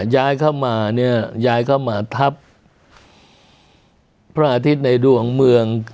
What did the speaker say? ย้ายเข้ามาเนี่ยย้ายเข้ามาทับพระอาทิตย์ในดวงเมือง